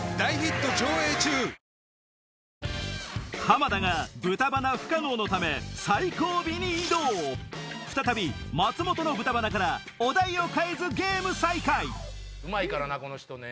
浜田が豚鼻不可能のため最後尾に移動再び松本の豚鼻からお題を変えずゲーム再開うまいからなこの人ね。